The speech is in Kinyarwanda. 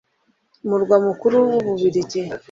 umurwa mukuru w’u Bubiligi